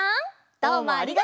どうもありがとう！